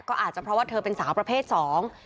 ก็อาจจะเพราะว่าเธอเป็นสาวประเภทสอง